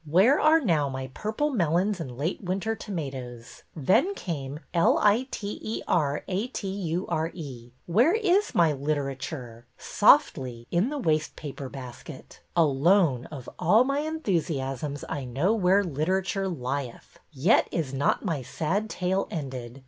Where are now my purple melons and late winter tomatoes ? Then came 1 i t e r a t u r e. Where is my lit er a ture ? Softly, — in the waste paper basket. Alone of all my en thusiasms I know where literature lieth. Yet is not my sad tale ended.